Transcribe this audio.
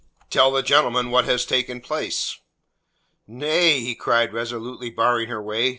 "Tell the gentleman what has taken place." "Nay," he cried, resolutely barring her way.